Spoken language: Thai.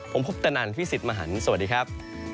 ผมพุทธนันพี่สิทธิ์มหันฯสวัสดีครับ